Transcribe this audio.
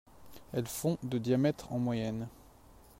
Elles font de diamètre en moyenne.